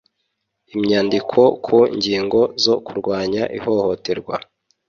Imyandiko ku ngingo zo kurwanya ihohoterwa.